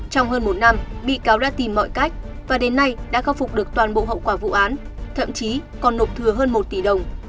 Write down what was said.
trong hơn một năm bị cáo đã tìm mọi cách và đến nay đã khắc phục được toàn bộ hậu quả vụ án thậm chí còn nộp thừa hơn một tỷ đồng